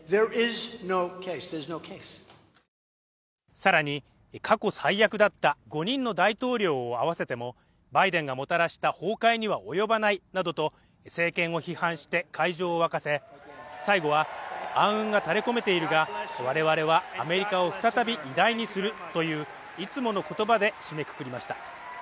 さらに過去最悪だった５人の大統領を合わせてもバイデンがもたらした崩壊には及ばないなどと政権を批判して会場を沸かせ最後は暗雲が垂れ込めているが、我々はアメリカを再び偉大にするといういつもの言葉で締めくくりました。